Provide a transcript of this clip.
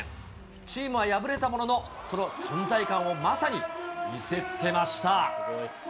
チームは敗れたものの、その存在感をまさに見せつけました。